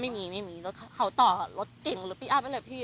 ไม่มีไม่มีรถเขาต่อรถเก่งรถพลิกอัพไปเลยพี่